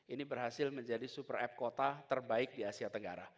ini berhasil menjadi super app kota terbaik di asia tenggara